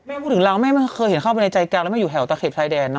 แม่พูดถึงร้านแม่เคยเห็นเข้าไปในจัยกราฟแล้วไม่อยู่แห่วตะเข็บท้ายแดนเนอะ